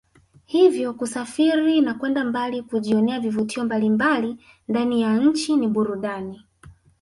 Hivyo kusafiri na kwenda kujionea vivutio mbalimbali ndani ya nchi ni burudani